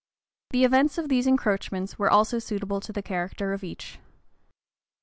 The events of these encroachments were also suitable to the character of each.